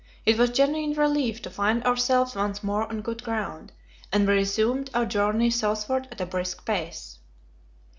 It was a genuine relief to find ourselves once more on good ground, and we resumed our journey southward at a brisk pace.